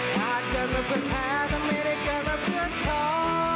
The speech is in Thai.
ถ้าเกิดรับเพื่อแพ้ถ้าไม่ได้เกิดรับเพื่อเขา